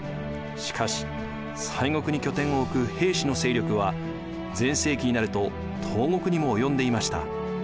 しかし西国に拠点を置く平氏の勢力は全盛期になると東国にも及んでいました。